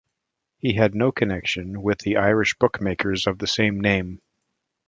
He had no connection with the Irish bookmakers of the same name.